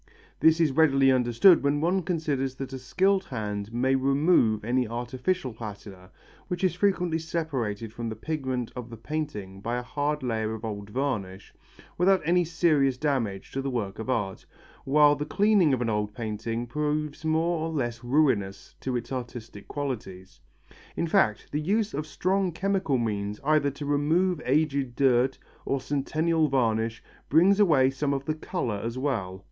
This is readily understood when one considers that a skilled hand may remove any artificial patina, which is frequently separated from the pigment of the painting by a hard layer of old varnish, without any serious damage to the work of art, while the cleaning of an old painting proves more or less ruinous to its artistic qualities. In fact, the use of strong chemical means either to remove aged dirt or centennial varnish brings away some of the colour as well.